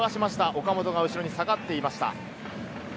岡本が後ろに下がっていました。